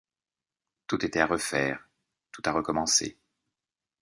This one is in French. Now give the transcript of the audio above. Tout était à refaire, tout à recommencer!